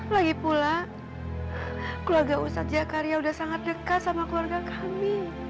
lagi pula keluarga ustadz jakaria sudah sangat dekat sama keluarga kami